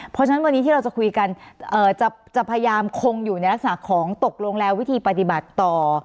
เพราะฉะนั้นวันนี้ที่เราจะคุยกันจะพยายามคงอยู่ในลักษณะของตกลงแล้ววิธีปฏิบัติต่อ